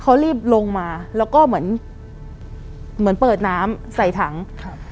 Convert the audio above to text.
เขารีบลงมาแล้วก็เหมือนเหมือนเปิดน้ำใส่ถังครับ